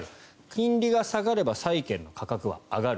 金利が下がれば債券の価格は上がる。